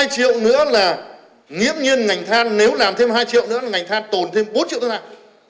hai triệu nữa là nghiêm nhiên ngành than nếu làm thêm hai triệu nữa là ngành than tồn thêm bốn triệu tấn than